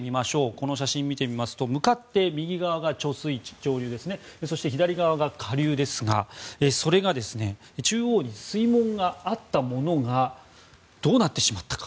この写真見てみますと向かって右側が貯水池上流ですがそして左側が下流ですが中央に水門があったものがどうなってしまったか。